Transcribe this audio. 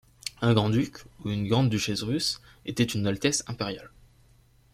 Un grand-duc ou une grande-duchesse russe était une altesse impériale.